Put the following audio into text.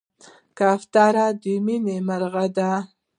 کوتره د مینې مرغه ده.